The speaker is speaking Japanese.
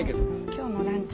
今日のランチ。